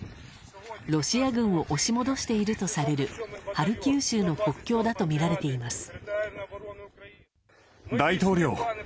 ロシア軍を押し戻しているとされるハルキウ州の国境だとみられています。